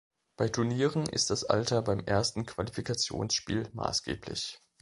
Bei Turnieren ist das Alter beim ersten Qualifikationsspiel maßgeblich.